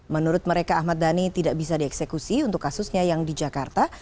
menurut mereka ahmad dhani tidak bisa dieksekusi untuk kasusnya yang di jakarta